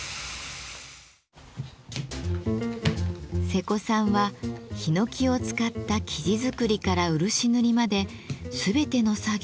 世古さんはヒノキを使った木地作りから漆塗りまで全ての作業を１人でこなします。